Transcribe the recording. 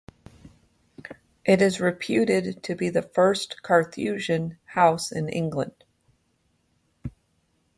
It is reputed to be the first Carthusian house in England.